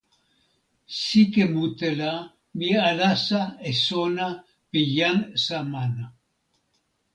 sike mute la mi alasa e sona pi jan Samana.